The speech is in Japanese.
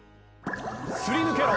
すり抜けろ！